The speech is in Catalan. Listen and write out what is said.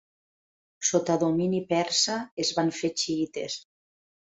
Sota domini persa es van fer xiïtes.